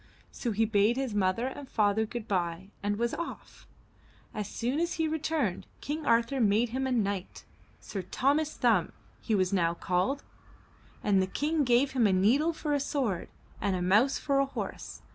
So he bade his mother and father good bye and was off. As soon as he returned, King Arthur made him a knight. Sir Thomas Thumb he was now called, and the King gave him a needle for a sword and a mouse for a horse.